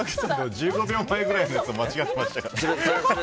１５秒前くらいのやつ間違っていましたから。